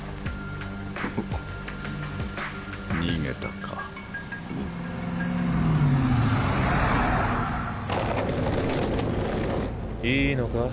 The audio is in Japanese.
逃げたかいいのか？